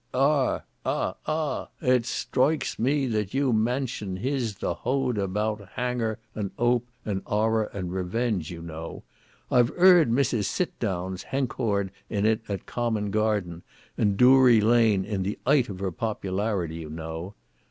"A—r, A—a—a it stroiks me that that you manetion his the hode about hangger and ope and orror and revenge you know. I've eard Mrs. Sitdowns hencored in it at Common Garden and Doory Lane in the ight of her poplarity you know.